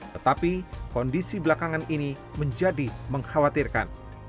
tetapi kondisi belakangan ini menjadi mengkhawatirkan